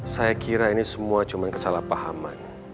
saya kira ini semua cuma kesalahpahaman